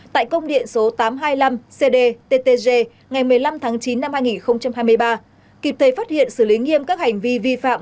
tại công điện số tám trăm hai mươi năm cdttg ngày một mươi năm tháng chín năm hai nghìn hai mươi ba kịp thời phát hiện xử lý nghiêm các hành vi vi phạm